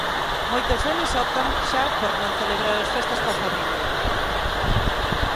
Moitos deles optan xa por non celebrar as festas coa familia.